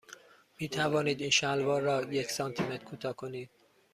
می توانید این شلوار را یک سانتی متر کوتاه کنید؟